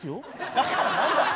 だから何だ。